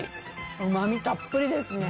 うまみたっぷりですね。